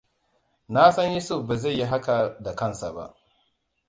Na san Yusuf ba zai yi haka da kansa ba.